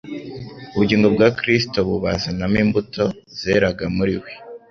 Ubugingo bwa Kristo bubazanamo imbuto zeraga muri we.